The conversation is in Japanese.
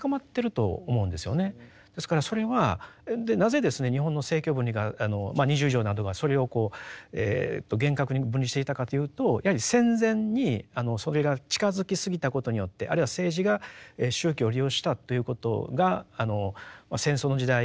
ですからそれはなぜですね日本の政教分離がまあ二十条などがそれを厳格に分離していたかというとやはり戦前にそれが近づき過ぎたことによってあるいは政治が宗教を利用したということが戦争の時代とですね